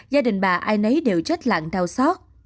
gia đình bà n a đều trách lạng đau sót